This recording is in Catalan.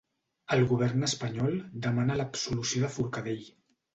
El govern espanyol demana l'absolució de Forcadell